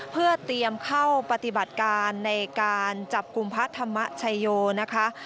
เพื่อเตรียมเข้าปฏิบัติการในการจับกลุ่มพระธรรมชโยนะคะ